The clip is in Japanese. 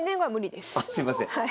あすいません。